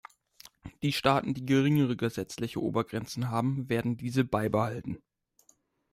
Die Staaten, die geringere gesetzliche Obergrenzen haben, werden diese beibehalten.